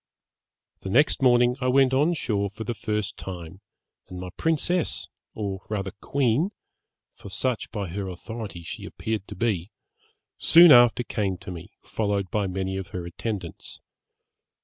'The next morning I went on shore for the first time, and my princess or rather queen, for such by her authority she appeared to be, soon after came to me, followed by many of her attendants.